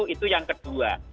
itu yang kedua